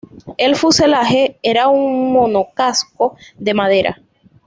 El fuselaje era un monocasco de madera.